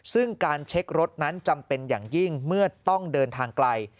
ซึ่งการเช็ครถนั้นจำเป็นอย่างยิ่งเมื่อต้องเดินทางไกล